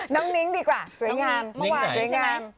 น้องนิงดีกว่าสวยงาม